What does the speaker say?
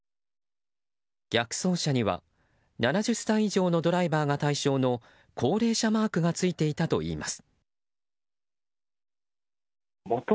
逆走車には７０歳以上のドライバーが対象の高齢者マークがついていたといいます。